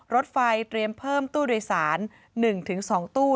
รถไฟเตรียมเพิ่มตู้โดยสาร๑๒ตู้